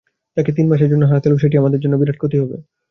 তাকে তিন মাসের জন্য হারাতে হলেও সেটি আমাদের জন্য বিরাট ক্ষতি হবে।